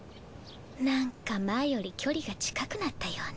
なんか前より距離が近くなったような。